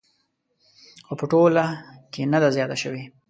خو په ټوله کې نه ده زیاته شوې